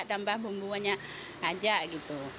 tambah bumbunya aja gitu